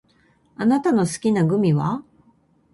あなたの好きなグミは？